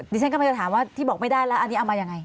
ดิฉันก็ไปถามว่าที่บอกไม่ได้แล้วอันนี้เอามาอย่างไร